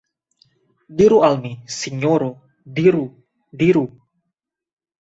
Diru al mi, sinjoro, diru, diru!